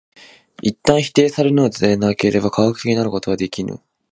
一旦否定されるのでなければ科学的になることはできぬ。